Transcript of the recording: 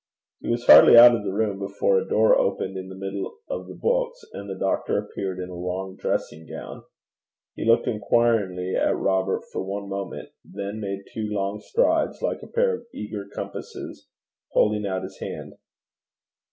He was hardly out of the room before a door opened in the middle of the books, and the doctor appeared in a long dressing gown. He looked inquiringly at Robert for one moment, then made two long strides like a pair of eager compasses, holding out his hand.